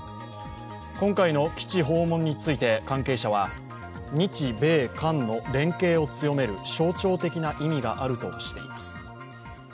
今回の基地訪問について関係者は日米韓の連携を強める象徴的な意味があるとしています。